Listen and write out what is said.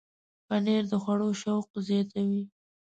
پنېر د خوړو شوق زیاتوي.